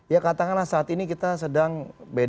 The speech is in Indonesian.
ya katakanlah saat ini kita sedang beda